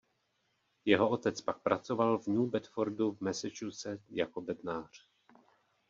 Jeho otec pak pracoval v New Bedfordu v Massachusetts jako bednář.